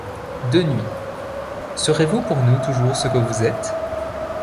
deux Nuits, serez-vous pour nous toujours ce que vous êtes ?